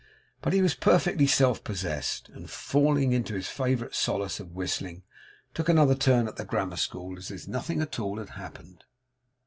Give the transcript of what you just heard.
But he was perfectly self possessed; and falling into his favourite solace of whistling, took another turn at the grammar school, as if nothing at all had happened.